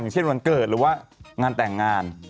เช่นวันเกิดหรือว่างานแต่งงาน